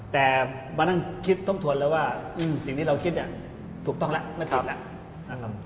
แต่วันนั้นคิดท่วนแล้วว่าสิ่งที่เราคิดถูกต้องแล้วไม่ติดแล้ว